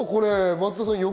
松田さん。